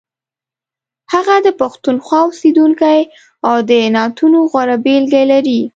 هغه د پښتونخوا اوسیدونکی او د نعتونو غوره بېلګې لري.